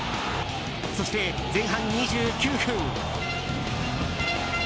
そして前半２９分。